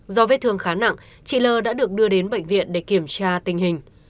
do vết thương khá nặng chị l a l đã được đưa đến bệnh viện để kiểm tra tình hình